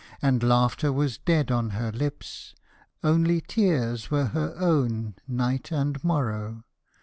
And laughter was dead on her lips, only tears were her own night and morrow.